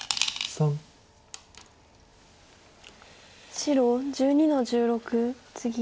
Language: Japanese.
白１２の十六ツギ。